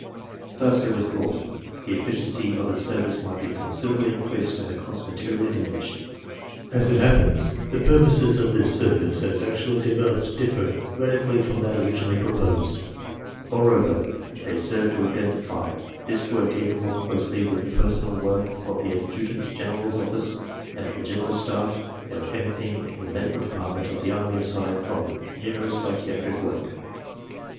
Thus, it was thought, the efficiency of the service might be considerably increased and the costs materially diminished. As it happens, the purposes of this service as actually developed differ radically from that originally pro posed; moreover they serve to identify this work even more closely with the personnel work of the Adjutant General's Office and of the General Staff than with anything in the Med ical Department of the Army aside from neuro psychiatric work.